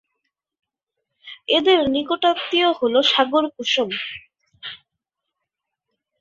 এদের নিকটাত্মীয় হল সাগর কুসুম।